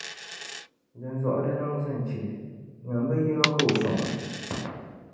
Dinzuɣu di niŋ zinchili. Nyam bɛ yino ka o sɔŋ a.